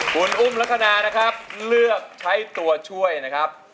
คุณอุ้มลักษณะนะครับเลือกใช้ตัวช่วยนะครับ